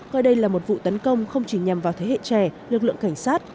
coi đây là một vụ tấn công không chỉ nhằm vào thế hệ trẻ lực lượng cảnh sát